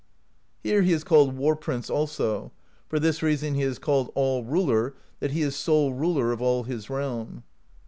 Here he is called War Prince also; for this reason he is called All Ruler, that he is sole Ruler of all his realm.